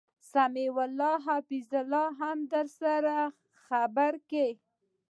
سمیع الله او حفیظ الله هم درسره خبرکی